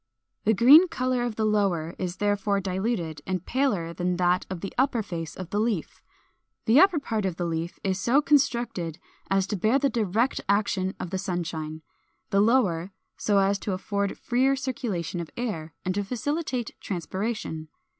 The green color of the lower is therefore diluted, and paler than that of the upper face of the leaf. The upper part of the leaf is so constructed as to bear the direct action of the sunshine; the lower so as to afford freer circulation of air, and to facilitate transpiration.